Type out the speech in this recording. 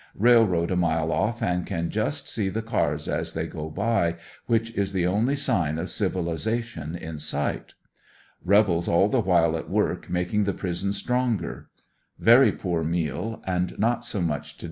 Rail road a mile off and can just see the cars as they go by, which is the only sign of civilization in sight. Rebels all the while at work making the prison stronger. Very poor meal, and not so much to ANDERSONYILLE DIARY.